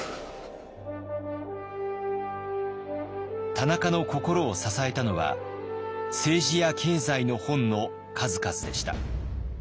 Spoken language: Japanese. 田中の心を支えたのは政治や経済の本の数々でした。